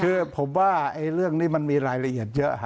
คือผมว่าเรื่องนี้มันมีรายละเอียดเยอะ